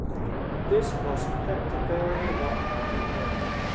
This was practically what I did now.